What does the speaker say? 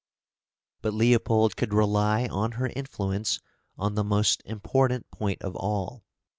But Leopold could rely on her influence on the most important point of all.